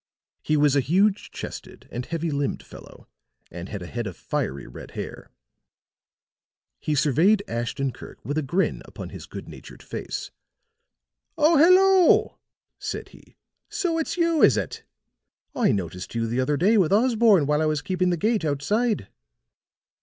He was a huge chested and heavy limbed fellow, and had a head of fiery red hair. He surveyed Ashton Kirk with a grin upon his good natured face. "Oh, hello," said he. "So it's you, is it? I noticed you the other day with Osborne while I was keeping the gate, outside."